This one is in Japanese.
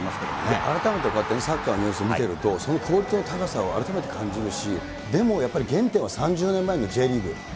改めてこうやってサッカーのニュース見てると、そのクオリティーの高さを改めて感じるし、でもやっぱり原点は３０年前のＪリーグ。